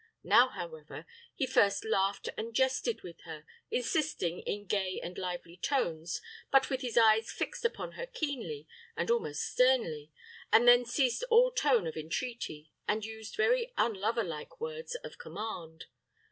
Now, however, he first laughed and jested with her, insisting, in gay and lively tones, but with his eyes fixed upon her keenly, and almost sternly, and then ceased all tone of entreaty, and used very unlover like words of command.